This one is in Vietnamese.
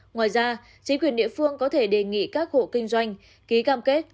ngoài ra chính quyền địa phương có thể đề nghị các hộ kinh doanh ký cam kết